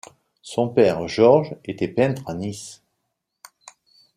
Son père Georges était peintre à Nice.